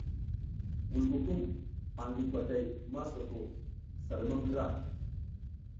Wulkukum angi gwatay masoko sa lumam ndra.